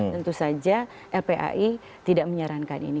tentu saja lpai tidak menyarankan ini